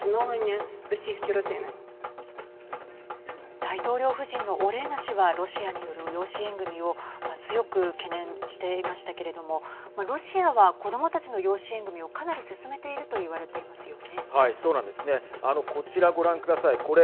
大統領夫人のオレーナ氏はロシアによる養子縁組を強く懸念していましたけれどもロシアは子どもたちの養子縁組をかなり進めていると言われていますよね。